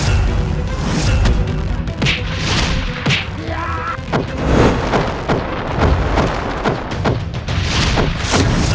tapi peweb crafts atau kebaikan